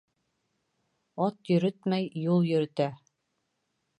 Ат йөрөтмәй, юл йөрөтә.